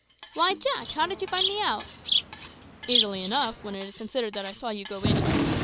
"Why, Jack, how did you find me out?" "Easily enough, when it is considered that I saw you go in.